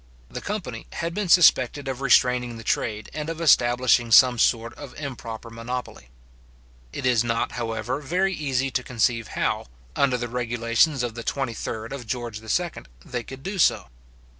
The company had been suspected of restraining the trade and of establishing some sort of improper monopoly. It is not, however, very easy to conceive how, under the regulations of the 23d George II. they could do so.